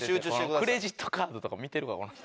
クレジットカードとか見てるからこの人。